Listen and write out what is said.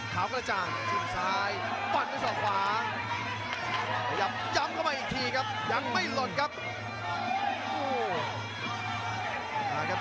ขาวคลัจจังสิ้นซ้ายฟันด้วยสองขวา